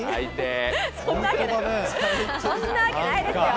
そんな訳ないですよ。